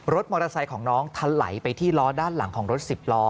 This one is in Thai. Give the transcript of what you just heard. มอเตอร์ไซค์ของน้องทะไหลไปที่ล้อด้านหลังของรถสิบล้อ